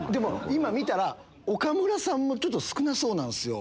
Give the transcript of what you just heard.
今見たら岡村さんも少なそうなんすよ。